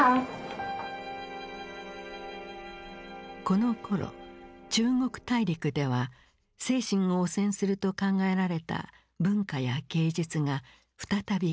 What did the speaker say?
このころ中国大陸では精神を汚染すると考えられた文化や芸術が再び禁止された。